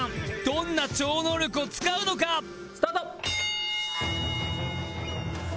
どんな超能力を使うのか！？スタート！